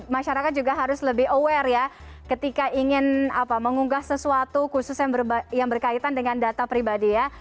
masyarakat juga harus lebih aware ya ketika ingin mengunggah sesuatu khusus yang berkaitan dengan data pribadi ya